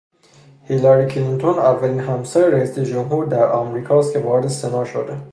هیلاری کلینتون اولین همسر رئیس جمهور در آمریکاست که وارد سنا شده.